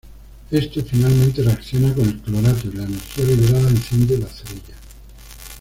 Este finalmente reacciona con el clorato y la energía liberada enciende la cerilla.